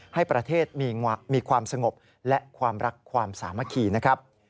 ให้ประเทศมีความสงบและความรักความสามัคคีนะครับ